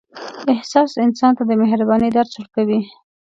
احساس انسان ته د مهربانۍ درس ورکوي.